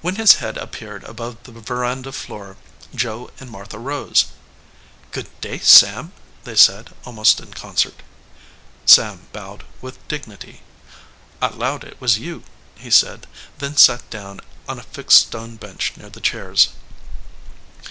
When his head appeared above the veranda floor Joe and Martha rose. "Good day, Sam," they said almost in concert. Sam bowed with dignity. "I lowed it was you," he said, then sat down on a fixed stone bench near the chairs.